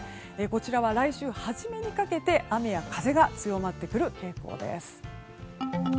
こちらは来週初めにかけて雨や風が強まってくる傾向です。